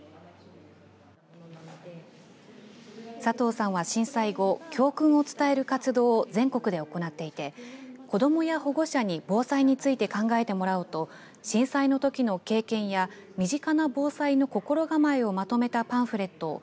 佐藤さんは震災後教訓を伝える活動を全国で行っていて子どもや保護者に防災について考えてもらおうと震災のときの経験や身近な防災の心がまえをまとめたパンフレット